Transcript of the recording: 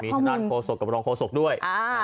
มีข้อมูลโทรศกกับรองโทรศกด้วย